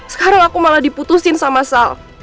sekarang aku malah diputusin sama salf